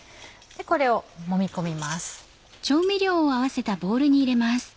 これをもみ込みます。